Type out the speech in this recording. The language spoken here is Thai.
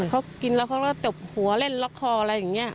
เขากินแล้วเขาก็ตบหัวเล่นล็อกคออะไรอย่างนี้